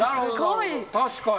確かに。